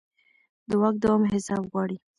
د واک دوام حساب غواړي